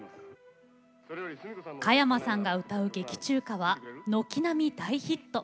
加山さんが歌う劇中歌は軒並み大ヒット。